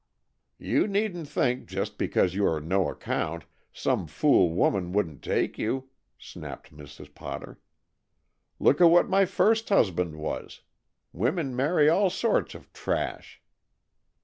"You needn't think, just because you are no account, some fool woman wouldn't take you," snapped Mrs. Potter. "Look at what my first husband was. Women marry all sorts of trash."